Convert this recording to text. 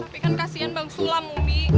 tapi kan kasihan bang sulam umi